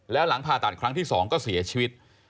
แล้วหลังผ่าตัดครั้งที่๒ก็เสียชีวิต